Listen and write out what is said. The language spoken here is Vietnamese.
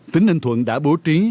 tỉnh ninh thuận đã bố trí